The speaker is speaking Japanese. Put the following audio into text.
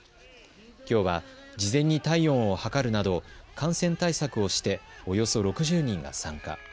きょうは事前に体温を測るなど感染対策をしておよそ６０人が参加。